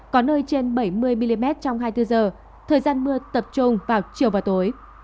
có nơi trên bảy mươi mm trong hai mươi bốn h thời gian mưa tập trung vào chiều và tối